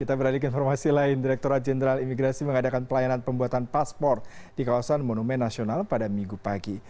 kita beralih ke informasi lain direkturat jenderal imigrasi mengadakan pelayanan pembuatan paspor di kawasan monumen nasional pada minggu pagi